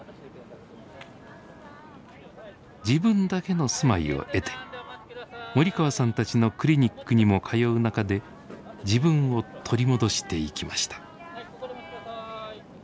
自分だけの住まいを得て森川さんたちのクリニックにも通う中で自分を取り戻していきました。